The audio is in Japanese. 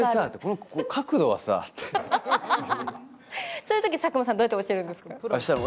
そういうとき、佐久間さんどうやって教えるんですか？